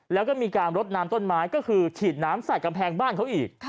แล้วก็มีการรดน้ำต้นไม้ก็คือฉีดน้ำใส่กำแพงบ้านเขาอีก